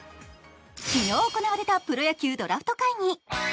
昨日行われたプロ野球ドラフト会議。